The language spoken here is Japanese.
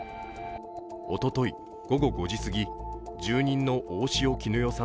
おととい、午後５時すぎ住人の大塩衣与さん